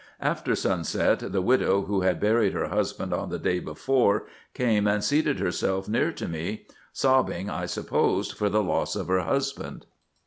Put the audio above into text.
After sunset, the widow who had buried her husband on the day before came and seated herself near to me, sobbing, I supposed, for the loss of her husband.